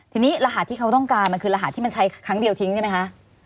ทีนี้รหัสที่เขาต้องการมันคือรหัสที่มันใช้ครั้งเดียวทิ้งใช่ไหมคะ